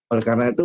oleh karena itu